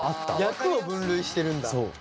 役を分類してるんだ。